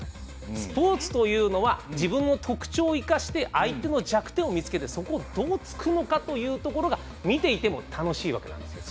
スポーツというのは自分の特長を生かして相手の弱点を見つけてそこを、どうつくのかが見ていても楽しいわけなんですよ。